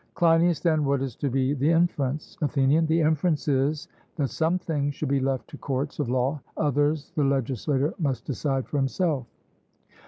CLEINIAS: Then what is to be the inference? ATHENIAN: The inference is, that some things should be left to courts of law; others the legislator must decide for himself.